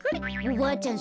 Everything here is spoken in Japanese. おばあちゃん